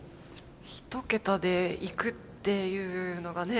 一桁でいくっていうのがね。